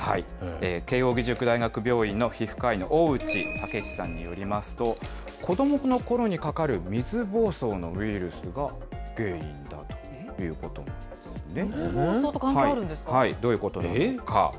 慶應義塾大学病院の皮膚科医の大内健嗣さんによりますと、子どものころにかかる水ぼうそうのウイルスが原因だということなんですね。